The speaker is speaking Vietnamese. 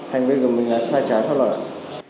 hành vi của mình là sai trái pháp loại